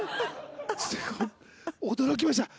驚きました。